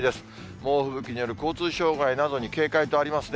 猛吹雪による交通障害などに警戒とありますね。